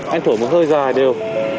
anh thổi một hơi dài đều